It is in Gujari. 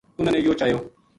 اُنھاں نے یوہ چایو